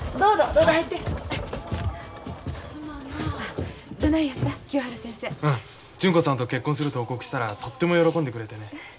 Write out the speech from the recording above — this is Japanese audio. うん純子さんと結婚すると報告したらとっても喜んでくれてね。